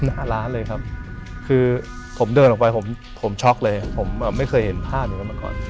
หน้าร้านเลยครับคือผมเดินออกไปผมช็อกเลยผมไม่เคยเห็นภาพอย่างนั้นมาก่อน